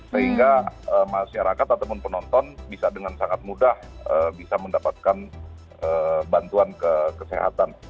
sehingga masyarakat ataupun penonton bisa dengan sangat mudah bisa mendapatkan bantuan kesehatan